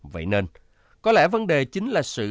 vậy nên có lẽ vấn đề chính là sự